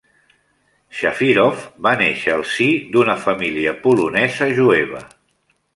Shafirov va néixer al si d'una família polonesa jueva.